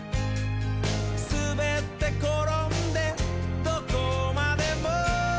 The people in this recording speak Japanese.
「すべってころんでどこまでも」